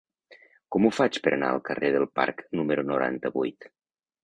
Com ho faig per anar al carrer del Parc número noranta-vuit?